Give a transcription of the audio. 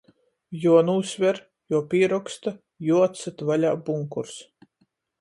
Juonūsver, juopīroksta, juoatsyt vaļā bunkurs.